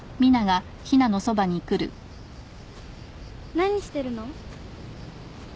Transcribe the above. ・何してるの？